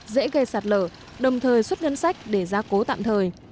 dễ gây sạt lở đồng thời xuất ngân sách để ra cố tạm thời